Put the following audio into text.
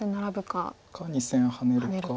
か２線ハネるか。